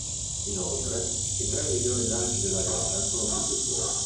Inoltre, i tre migliori lanci della gara sono tutti suoi.